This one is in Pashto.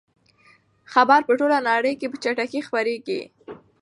خبر په ټوله نړۍ کې په چټکۍ خپریږي.